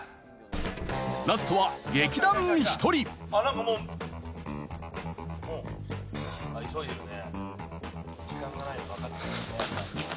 ラストは劇団ひとり何かもう急いでるね。